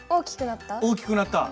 「大きくなった」